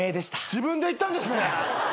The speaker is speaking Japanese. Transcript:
自分で言ったんですね！